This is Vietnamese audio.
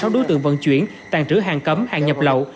hai mươi sáu đối tượng vận chuyển tàn trữ hàng cấm hàng nhập lậu